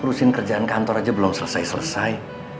terusin kerjaan kantor aja belum selesai selesai